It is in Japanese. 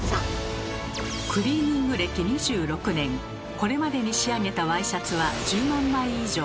これまでに仕上げたワイシャツは１０万枚以上！